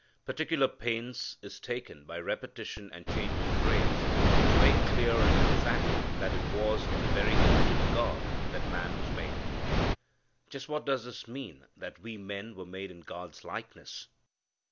Particular pains is taken by repetition and change of phrase to make clear and emphatic that it was in the very image of God that man was made. Just what does it mean that we men were made in God's likeness?